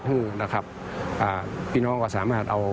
มีกลิ่นหอมกว่า